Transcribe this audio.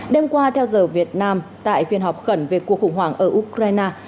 đêm qua theo giờ việt nam tại phiên họp khẩn về cuộc khủng hoảng ở ukraine